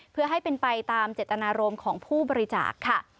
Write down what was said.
เพื่อให้เป็นไปตามเจตนารมณ์ของผู้บริจาคค่ะ